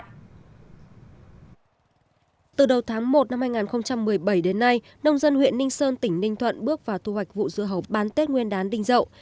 từ đầu tháng một năm hai nghìn một mươi bảy đến nay nông dân huyện ninh sơn tỉnh ninh thuận bước vào thu hoạch vụ dưa hấu bán tết nguyên đán đinh rậu